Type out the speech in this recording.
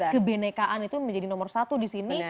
kebenekaan itu menjadi nomor satu disini